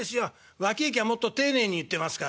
脇行きゃもっと丁寧に言ってますから」。